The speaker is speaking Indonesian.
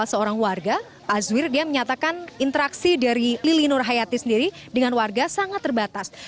seorang warga azwir dia menyatakan interaksi dari lili nur hayati sendiri dengan warga sangat terbatas